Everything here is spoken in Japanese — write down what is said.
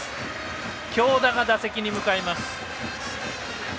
京田が打席に向かいます。